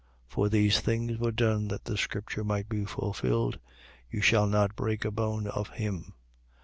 19:36. For these things were done that the scripture might be fulfilled: You shall not break a bone of him.